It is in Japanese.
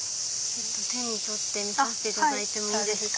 手に取って見させていただいてもいいですか？